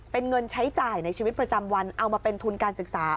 เป็นเงินใช้จ่ายในชีวิตประจำวันเอามาเป็นทุนการศึกษา